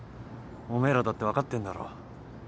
おめえらだって分かってんだろ。